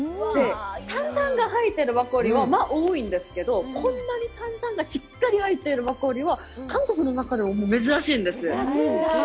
炭酸が入ってるマッコリは多いんですけど、こんなに炭酸がしっかり入ってるマッコリは、韓国の中でも珍しいんです。